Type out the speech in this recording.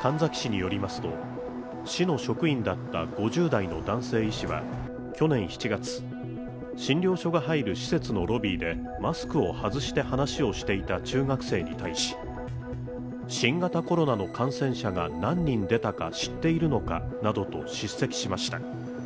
神埼市によりますと、市の職員だった５０代の男性医師は去年７月、診療所が入る施設のロビーでマスクを外して話をしていた中学生に対し新型コロナの感染者が何人出たか知っているのかなどと叱責しました。